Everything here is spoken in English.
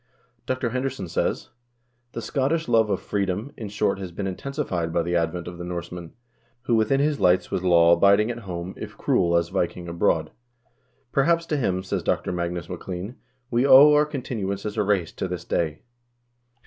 Dr. Henderson says :" The Scottish love of freedom, in short, has been intensified by the advent of the Norseman, who within his lights was law abid ing at home if cruel as Viking abroad." "Perhaps to him," says Dr. Magnus Maclean, "we owe our continuance as a race to this day.